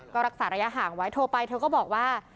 ก็รักษาระยะห่างไว้โทรไปเธอก็บอกว่า